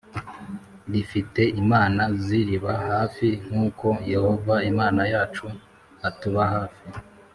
rifite imana ziriba hafi nk’uko Yehova Imana yacu atuba hafi